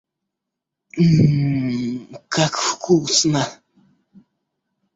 М-м-м, как вкусно!